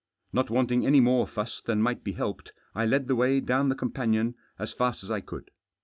Not wanting any more fuss than might be helped, I led the way down the companion as fast as I could.